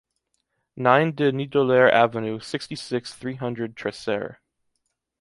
Nine des Nidoleres Avenue, sixty-six, three hundred, Tresserre